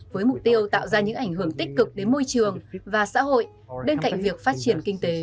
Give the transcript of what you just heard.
với mục tiêu tạo ra những ảnh hưởng tích cực đến môi trường và xã hội bên cạnh việc phát triển kinh tế